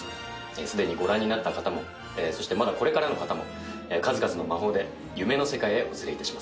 既にご覧になった方もまだこれからの方も数々の魔法で夢の世界へお連れします。